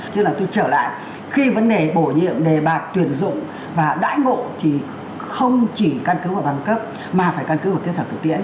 chứ là tôi trở lại khi vấn đề bổ nhiệm đề bạc tuyển dụng và đãi ngộ thì không chỉ căn cứ vào bằng cấp mà phải căn cứ vào kết thảo thực tiễn